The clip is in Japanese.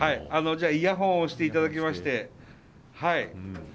じゃあイヤホンをしていただきましてはい。